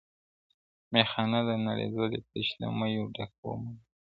میخانه ده نړېدلې تش له میو ډک خُمونه-